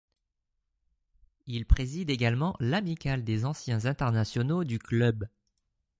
Il préside également l'amicale des anciens internationaux du club.